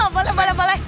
boleh boleh boleh